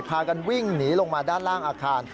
พากันวิ่งหนีลงมาด้านล่างอาคาร